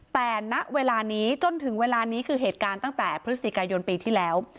แต่ณเวลานี้จนถึงเวลานี้คือเหตุการณ์ตั้งแต่พฤศจิกายนปีที่แล้ว